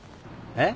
えっ？